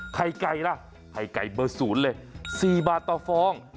ไข่ไก่ล่ะไข่ไก่เบอร์๐เลย๔บาทต่อฟอง